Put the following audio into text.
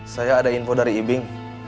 saya ada info dari ibing